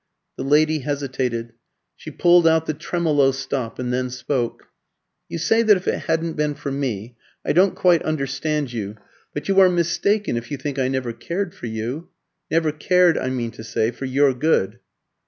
The lady hesitated. She pulled out the tremolo stop, and then spoke. "You say that if it hadn't been for me I don't quite understand you, but you are mistaken if you think I never cared for you never cared, I mean to say, for your good."